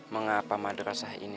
mengapa madrasah ini